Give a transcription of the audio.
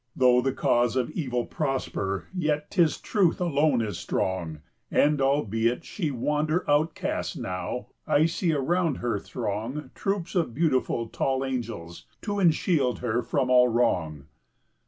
Though the cause of Evil prosper, yet 'tis Truth alone is strong, And, albeit she wander outcast now, I see around her throng Troops of beautiful, tall angels, to enshield her from all wrong.